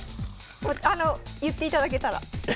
あの言っていただけたら。